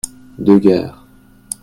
deux gares.